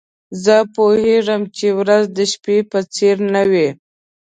زه پوهیږم چي ورځ د شپې په څېر نه وي.